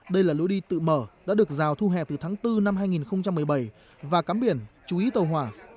đây là lối đi tự mở đã được rào thu hẹp từ tháng bốn năm hai nghìn một mươi bảy và cắm biển chú ý tàu hỏa